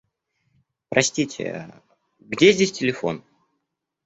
Простите, где здесь телефон?